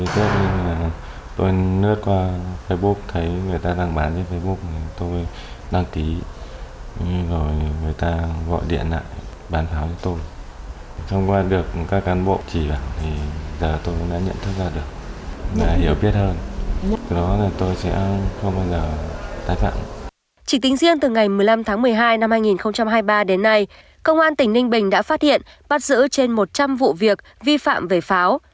chỉ tính riêng từ ngày một mươi năm tháng một mươi hai năm hai nghìn hai mươi ba đến nay công an tỉnh ninh bình đã phát hiện bắt giữ trên một trăm linh vụ việc vi phạm về pháo